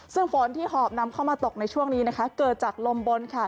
ซึ่งฝนที่หอบนำเข้ามาตกในช่วงนี้เกิดจากลมบน